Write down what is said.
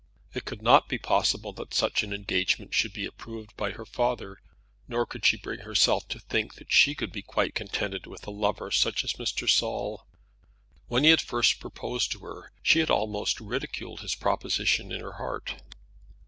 It could not be possible that such an engagement should be approved by her father, nor could she bring herself to think that she could be quite contented with a lover such as Mr. Saul. When he had first proposed to her she had almost ridiculed his proposition in her heart.